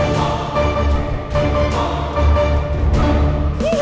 jadi usually kita kebangsaan biji